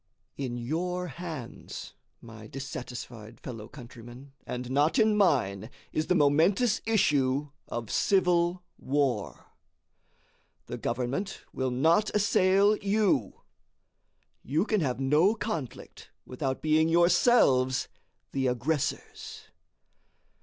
In YOUR hands, my dissatisfied fellow countrymen, and not in MINE, is the momentous issue of civil war. The government will not assail YOU. You can have no conflict without being yourselves the aggressors.